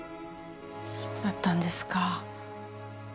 そうだったんですか。